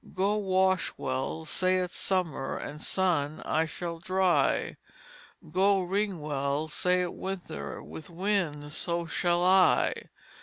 Go wash well, saith summer, with sun I shall dry; Go wring well, saith winter, with wind so shall I.